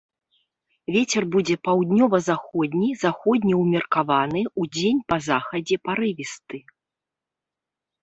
Вецер будзе паўднёва-заходні, заходні ўмеркаваны, удзень па захадзе парывісты.